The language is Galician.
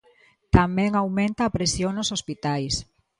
Tamén aumenta a presión nos hospitais.